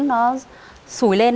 nó sùi lên